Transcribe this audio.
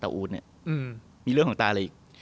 แต่อู๊ดเนี่ยมีเรื่องของตาอะไรอีก